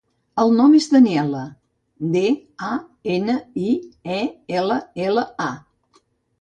El nom és Daniella: de, a, ena, i, e, ela, ela, a.